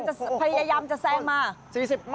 ๖๐กำลังพยายามจะแซงมา